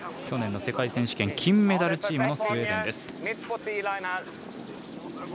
去年の世界選手権金メダルチームのスウェーデン。